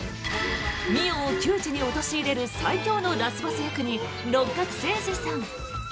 澪を窮地に陥れる最恐のラスボス役に六角精児さん。